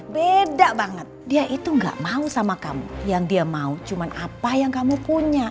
beda banget dia itu gak mau sama kamu yang dia mau cuma apa yang kamu punya